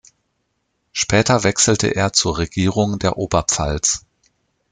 Später wechselte er zur Regierung der Oberpfalz.